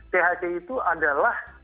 thc itu adalah